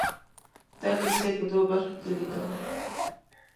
دا کیسې په دوو برخو کې ليکم.